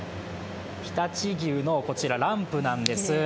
常陸牛のランプなんです。